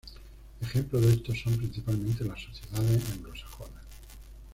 Ejemplo de esto son principalmente las sociedades anglosajonas.